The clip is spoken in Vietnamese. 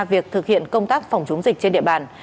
việc thực hiện công tác phòng chống dịch trên địa bàn